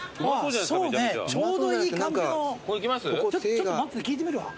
ちょっと待ってて聞いてみるわ。